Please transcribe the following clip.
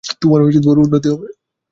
তোমার উন্নতি হবে?